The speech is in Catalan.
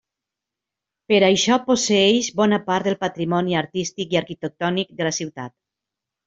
Per això posseeix bona part del patrimoni artístic i arquitectònic de la ciutat.